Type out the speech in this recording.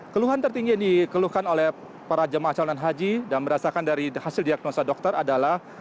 keluhan tertinggi yang dikeluhkan oleh para jemaah calonan haji dan merasakan dari hasil diagnosa dokter adalah